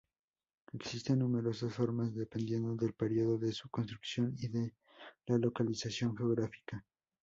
Existen numerosas formas, dependiendo del período de su construcción y de la localización geográfica.